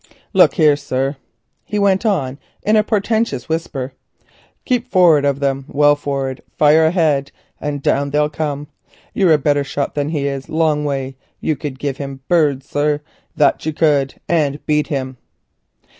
Look you here, sir," he went on in a portentous whisper, "keep forrard of them, well forrard, fire ahead, and down they'll come of themselves like. You're a better shot than he is a long way; you could give him 'birds,' sir, that you could, and beat him."